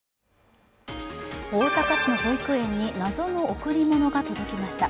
大阪市の保育園に謎の贈り物が届きました。